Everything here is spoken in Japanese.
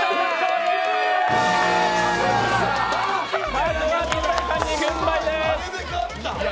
まずは水谷さんに軍配です。